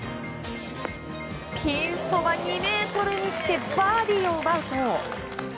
ピンそば２ｍにつけバーディーを奪うと。